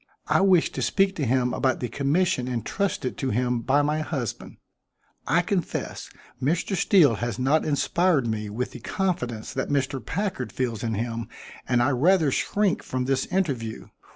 I wish to speak to him about the commission intrusted to him by my husband. I confess Mr. Steele has not inspired me with the confidence that Mr. Packard feels in him and I rather shrink from this interview.